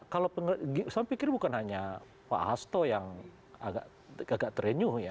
kalau saya pikir bukan hanya pak hasto yang agak terenyuh ya